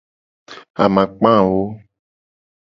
Amakpa ewo.